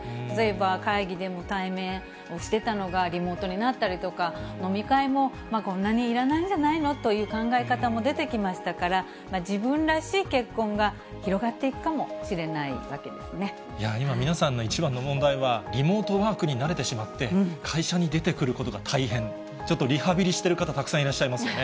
会議でも対面してたのがリモートになったりとか、飲み会もこんなにいらないんじゃないの？という考え方も出てきましたから、自分らしい結婚が広がっていくか皆さんの一番の問題は、リモートワークに慣れてしまって、会社に出てくることが大変、ちょっとリハビリしてる方がたくさんいらっしゃいますよね。